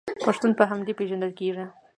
پښتون په همدې پیژندل کیږي.